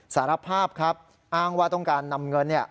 สารภาพครับอ้างว่าต้องการนำเงิน